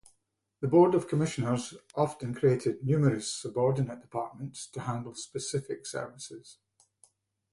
The board of commissioners often create numerous subordinate departments to handle specific services.